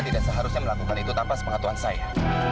tidak seharusnya melakukan itu tanpa sepengatuan saya